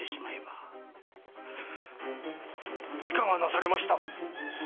いかがなされました？